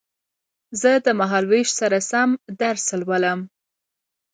زه د مهال وېش سره سم درس لولم